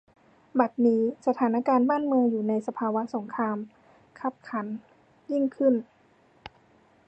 บัดนี้ สถานะการณ์บ้านเมืองอยู่ในภาวะสงครามคับขันยิ่งขึ้น